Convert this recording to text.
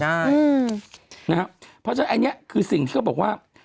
ใช่อืมนะครับเพราะฉะนั้นอันนี้คือสิ่งที่เขาบอกว่า